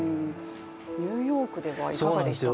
ニューヨークではいかがでしたか？